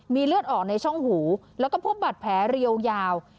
มีเลือดออกในช่องหูแล้วก็พบบัตรแผลเรียวยาว